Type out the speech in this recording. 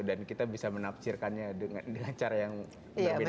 dan kita bisa menafsirkannya dengan cara yang tidak beda beda